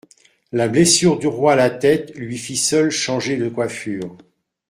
La blessure du roi à la tête lui fit seule changer de coiffure.